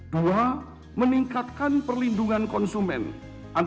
dua meningkatkan perlindungan konsumen